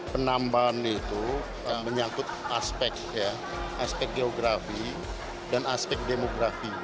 penambahan itu menyatut aspek aspek geografi dan aspek demografi